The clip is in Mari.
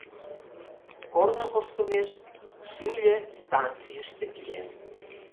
Корно кошкымеш, шӱльӧ станцийыште киен.